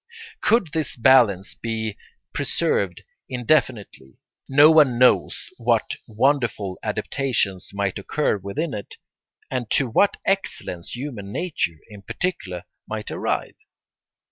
Could this balance be preserved indefinitely, no one knows what wonderful adaptations might occur within it, and to what excellence human nature in particular might arrive.